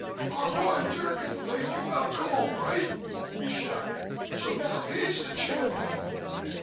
"Our boy, Drgon, laid you out cold, right?" he shouted. "So now he's the champion."